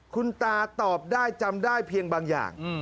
คุณตาตอบได้จำได้เพียงบางอย่าง